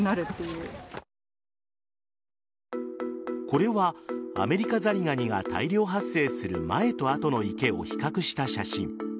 これはアメリカザリガニが大量発生する前と後の池を比較した写真。